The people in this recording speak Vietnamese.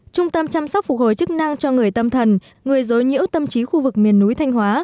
trung tâm chăm sóc phục hồi chức năng cho người tâm thần người dối nhiễu tâm trí khu vực miền núi thanh hóa